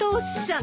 ん？